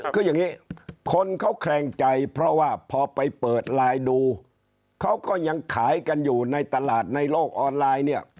คืออย่างนี้คนเขาแขลงใจเพราะว่าพอไปเปิดไลน์ดูเขาก็ยังขายกันอยู่ในตลาดในโลกออนไลน์เนี่ย